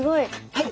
はい。